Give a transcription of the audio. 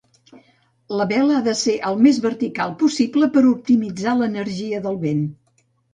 La vela ha de ser el més vertical possible per optimitzar l'energia del vent.